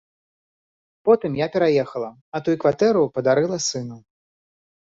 Потым я пераехала, а тую кватэру падарыла сыну.